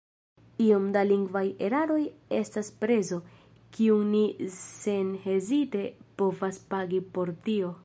Iom da lingvaj eraroj estas prezo, kiun ni senhezite povas pagi por tio.